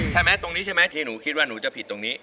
ใช่ไหมตรงนี้ใช่ไหมที่หนูคิดว่าหนูจะผิดตรงนี้